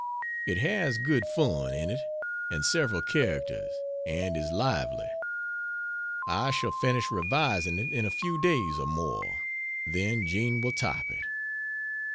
It has good fun in it, and several characters, and is lively. I shall finish revising it in a few days or more, then Jean will type it.